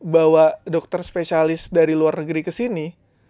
bawa dokter spesialis dari luar negeri ke sini